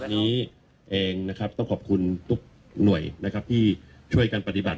วันนี้เองนะครับต้องขอบคุณทุกหน่วยนะครับที่ช่วยกันปฏิบัติ